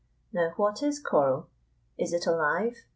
Now, what is coral. Is it alive?